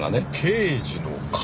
刑事の勘？